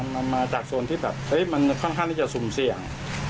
มันมาจากโซนที่แบบมันค่อนข้างที่จะสุ่มเสี่ยง